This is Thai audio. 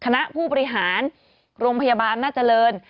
คณะผู้บริหารโรงพยาบาลอำนาจเจริญ